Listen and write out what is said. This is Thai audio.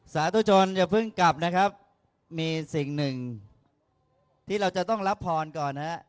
สาธุชนอย่าเพิ่งกลับนะครับมีสิ่งหนึ่งที่เราจะต้องรับพรก่อนนะฮะ